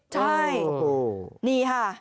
ใช่นี่ค่ะ